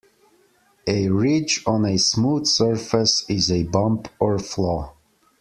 A ridge on a smooth surface is a bump or flaw.